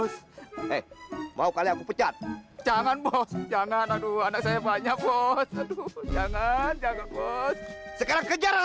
sampai jumpa di video selanjutnya